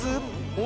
お！